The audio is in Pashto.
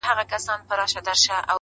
چي د وجود” په هر يو رگ کي دي آباده کړمه”